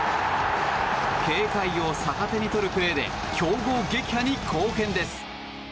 警戒を逆手に取るプレーで強豪撃破に貢献です。